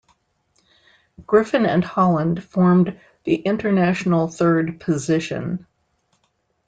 Griffin and Holland formed the International Third Position.